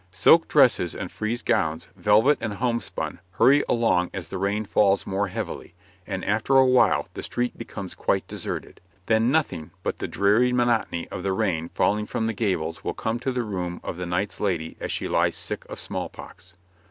Silk dresses and frieze gowns, velvet and homespun, hurry along as the rain falls more heavily, and after a while the street becomes quite deserted. Then nothing but the dreary monotony of the rain falling from the gables will come to the room of the knight's lady as she lies sick of small pox.